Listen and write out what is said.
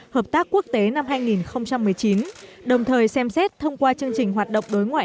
hợp tác quốc tế năm hai nghìn một mươi chín đồng thời xem xét thông qua chương trình hoạt động đối ngoại